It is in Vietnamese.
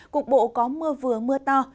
cục bộ có mưa vừa mưa to